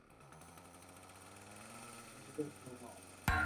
Chung jatuo malo